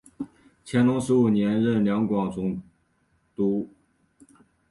乾隆十五年任两广总督。